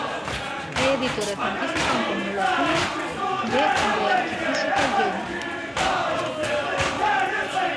Es editora científica en cosmología de "The Astrophysical Journal".